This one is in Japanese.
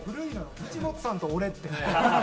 藤本さんと俺って。